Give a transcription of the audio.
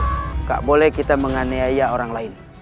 tidak boleh kita menganiaya orang lain